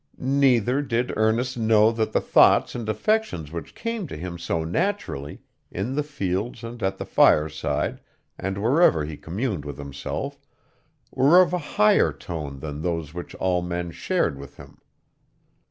Neither did Ernest know that the thoughts and affections which came to him so naturally, in the fields and at the fireside, and wherever he communed with himself, were of a higher tone than those which all men shared with him.